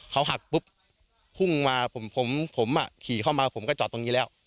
เขาหักปุ๊บพุ่งมาผมผมขี่เข้ามาผมก็จอดตรงนี้แล้ว